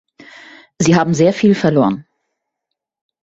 Sie haben sehr viel verloren.